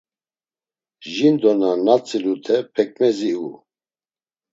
Jindo na natzilute p̌ekmezi u.